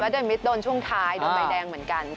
สอรวจเดชมิตโดนทุกช่วงท้ายโดนใบแดงเหมือนกัน